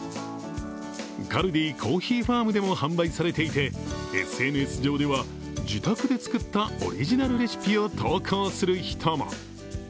カルディコーヒーファームでも販売されていてＳＮＳ上では自宅で作ったオリジナルレシピを投稿する人も。